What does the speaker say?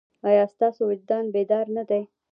ایا ستاسو وجدان بیدار نه دی؟